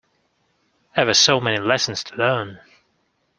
Ever so many lessons to learn!